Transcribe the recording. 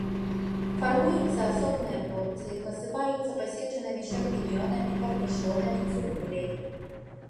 Фармуюцца асобныя порцыі, пасыпаюцца пасечанымі шампіньёнамі, карнішонамі, цыбуляй.